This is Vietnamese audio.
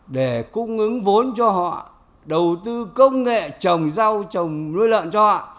để cung ứng vốn cho họ đầu tư công nghệ trồng rau trồng nuôi lợn cho họ